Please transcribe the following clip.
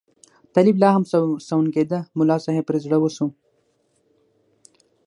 طالب لا هم سونګېده، ملا صاحب پرې زړه وسو.